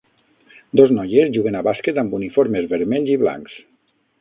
Dos noies juguen a bàsquet amb uniformes vermells i blancs